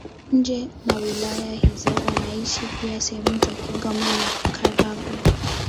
Nje na wilaya hizo wanaishi pia sehemu za Kigoma na Karagwe.